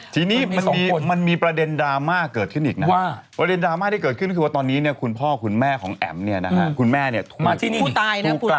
ทีนี้มันมีประเด็นดราม่าเกิดขึ้นอีกนะครับประเด็นดราม่าที่เกิดขึ้นคือว่าตอนนี้คุณพ่อคุณแม่ของแอ๋มคุณแม่ถูกกล่าวหา